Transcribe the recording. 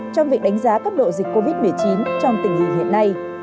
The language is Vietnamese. trong việc đánh giá cấp độ dịch covid một mươi chín trong tình hình hiện nay